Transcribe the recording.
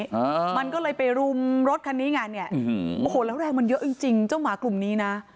อ่ามันก็เลยไปรุมรถคันนี้ไงเนี่ยโอ้โหแล้วแรงมันเยอะจริงจริงเจ้าหมากลุ่มนี้นะ